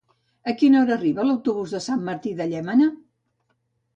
A quina hora arriba l'autobús de Sant Martí de Llémena?